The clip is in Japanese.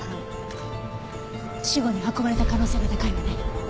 死後に運ばれた可能性が高いわね。